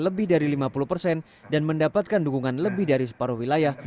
lebih dari lima puluh persen dan mendapatkan dukungan lebih dari separuh wilayah